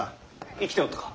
生きておったか？